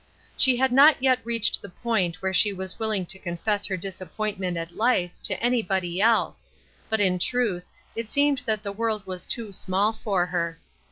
She had not yet reached the point where she was willing to confess her disappointment at life to anybody else, but in truth it seemed that the world was too small for her.